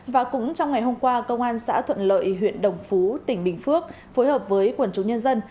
và cũng trong ngày hôm qua công an xã thuận lợi huyện đồng phú tỉnh bình phước phối hợp với quần chúng nhân dân